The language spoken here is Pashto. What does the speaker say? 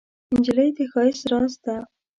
نجلۍ د ښایست راز ده.